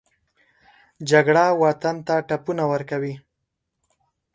جګړه وطن ته ټپونه ورکوي